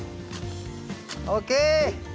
ＯＫ！